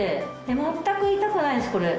全く痛くないですこれ。